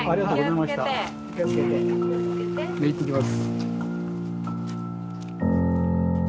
行ってきます。